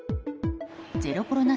ゼロコロナ